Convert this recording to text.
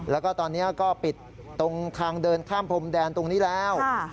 แล้วก็ตอนนี้ก็ปิดตรงทางเดินข้ามพรมแดนตรงนี้แล้ว